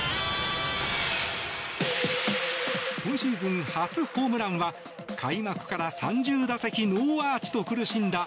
今シーズン初ホームランは開幕から３０打席ノーアーチと苦しんだ